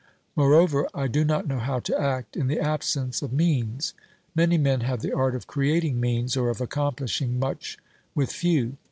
Moreover, I do not know how to act in the absence of means ; many men have the art of creating means, or of accomplishing much with few.